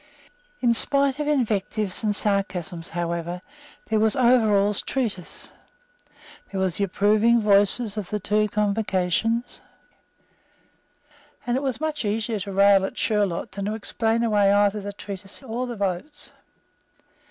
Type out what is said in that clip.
In spite of invectives and sarcasms, however, there was Overall's treatise; there were the approving votes of the two Convocations; and it was much easier to rail at Sherlock than to explain away either the treatise or the votes.